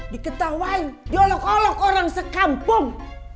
diketawain nyolok olok orang sekampung